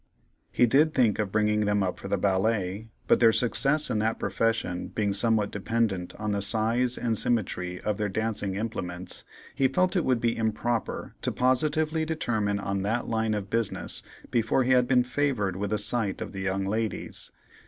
He did think of bringing them up for the ballet, but their success in that profession being somewhat dependent on the size and symmetry of their dancing implements, he felt it would be improper to positively determine on that line of business before he had been favored with a sight of the young ladies.